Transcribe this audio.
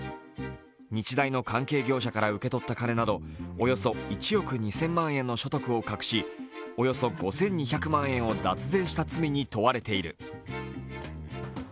日大の関係業者から受け取った金などおよそ１億２０００万円の所得を隠し、およそ５２００万円を脱税した罪に問われている。